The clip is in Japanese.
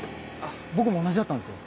僕も同じだったんですよ。